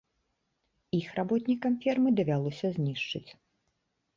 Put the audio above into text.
Іх работнікам фермы давялося знішчыць.